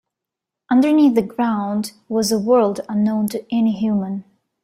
Underneath the ground was a world unknown to any human.